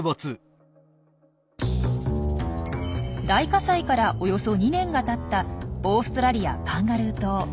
大火災からおよそ２年がたったオーストラリアカンガルー島。